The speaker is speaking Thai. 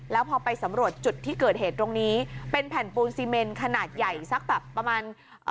แล้วพอไปสำรวจจุดที่เกิดเหตุตรงนี้เป็นแผ่นปูนซีเมนขนาดใหญ่สักแบบประมาณเอ่อ